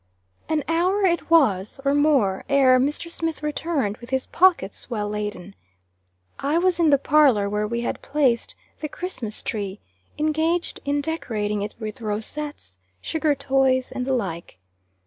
An hour it was, or more, ere Mr. Smith returned, with his pockets well laden. I was in the parlor, where we had placed the Christmas tree, engaged in decorating it with rosettes, sugar toys, and the like.